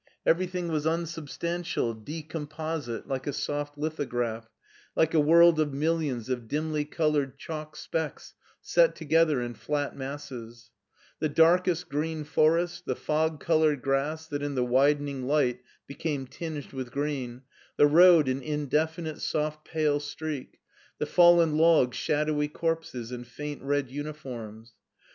Everything was unsubstantial, decomposite, like a soft lithograph, like a world of millions of dimly colored chalk specks set together in flat masses: the darkest green forest, the fog colored grass that in the widening light became tinged with green, the road an indefinite soft pale streak, the fallen logs shadowy corpses in faint red uniforms.